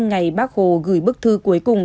ngày bác hồ gửi bức thư cuối cùng